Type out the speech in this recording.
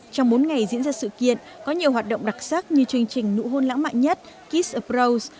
trong bốn ngày diễn ra sự kiện có nhiều hoạt động đặc sắc như chương trình nụ hôn lãng mạn nhất kiss of rose